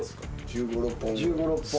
１５１６本。